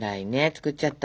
作っちゃった！